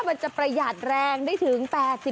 มันจะประหยัดแรงได้ถึง๘๐